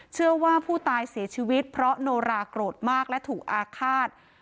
เชื่อว่าผู้ตายเสียชีวิตเพราะโนราโกรธมากและถูกอาฆาต